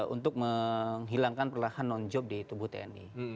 untuk menghilangkan perlahan non job di tubuh tni